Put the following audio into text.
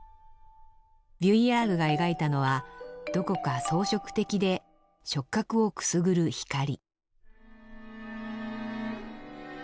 ヴュイヤールが描いたのはどこか装飾的で触覚をくすぐる光。